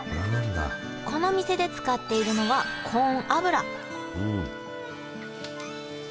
この店で使っているのはうん。